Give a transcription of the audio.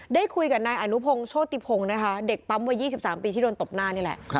ได้คุยกับนายอนุพงศ์โชติพงศ์นะคะเด็กปั๊มวัย๒๓ปีที่โดนตบหน้านี่แหละ